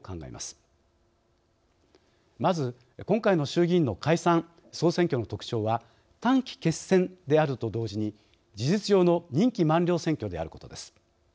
まず今回の衆議院の解散・総選挙の特徴は短期決戦であると同時に事実上の任期満了選挙であることです。